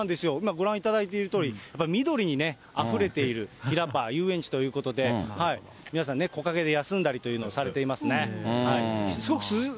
ご覧いただいているとおり、やっぱり緑にね、あふれているひらパー、遊園地ということで、皆さんね、木陰で休んだりというのをされていますね。